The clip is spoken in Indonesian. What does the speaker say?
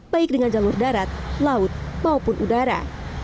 baik dengan jalur darat laut maupun udara